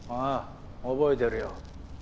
あ覚えてるよ